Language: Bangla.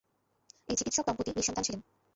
এ চিকিৎসক দম্পতি নিঃসন্তান ছিলেন।